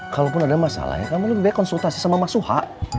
kalaupun ada masalah ya kamu lebih baik konsultasi sama mas suha